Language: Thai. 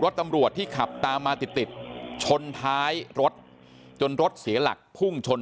ตำรวจที่ขับตามมาติดติดชนท้ายรถจนรถเสียหลักพุ่งชน